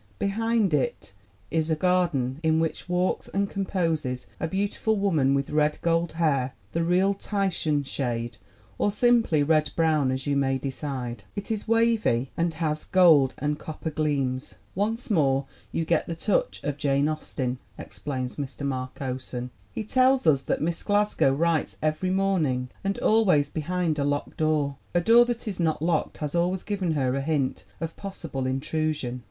Behind it is a garden in which walks and composes a beautiful woman with red gold hair, the real Titian shade or simply red brown, as you may decide. It is wavy and has gold and copper gleams. "Once more you get the 26 THE WOMEN WHO MAKE OUR NOVELS touch of Jane Austen," explains Mr. Marcosson. He tells us that Miss Glasgow writes every morning and always behind a locked door ; "a door that is not locked has always given her a hint of possible intrusion.